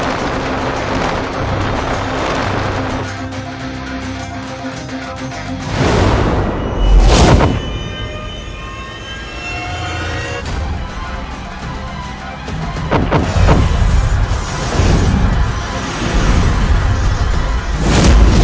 rayus rayus sensa pergi